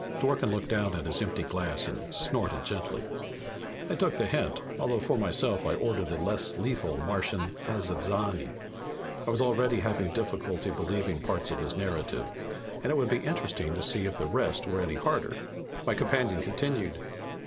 Dworken looked down at his empty glass and snorted gently. I took the hint, although for myself I ordered the less lethal Martian azdzani. I was already having difficulty believing parts of his narrative; it would be interesting to see if the rest were any harder. My companion continued.